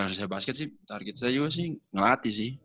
kalau saya basket sih target saya juga sih ngelatih sih